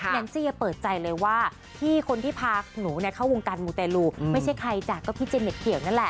แนนซี่เปิดใจเลยว่าพี่คนที่พาหนูเข้าวงการมูเตลูไม่ใช่ใครจ้ะก็พี่เจเน็ตเขียวนั่นแหละ